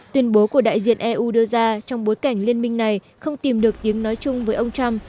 tuyên bố của đại diện eu đưa ra trong bối cảnh liên minh này không tìm được tiếng nói chung với ông trump